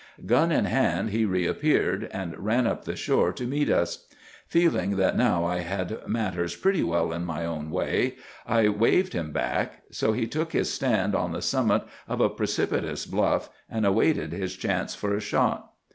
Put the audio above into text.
Gun in hand he re appeared, and ran up the shore to meet us. Feeling that now I had matters pretty well my own way, I waved him back. So he took his stand on the summit of a precipitous bluff, and awaited his chance for a shot.